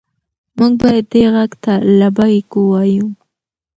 موږ باید دې غږ ته لبیک ووایو.